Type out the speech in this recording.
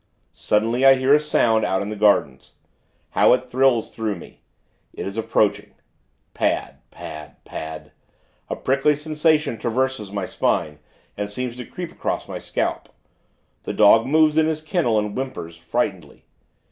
Suddenly, I hear a sound, out in the gardens. How it thrills through me. It is approaching. Pad, pad, pad. A prickly sensation traverses my spine, and seems to creep across my scalp. The dog moves in his kennel, and whimpers, frightenedly.